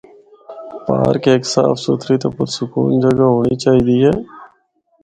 پارک ہک صاف ستھری تے پرسکون جگہ ہونڑی چاہیے دی اے۔